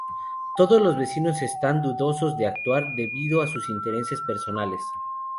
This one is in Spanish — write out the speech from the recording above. Todos los vecinos están dudosos de actuar debido a sus intereses personales.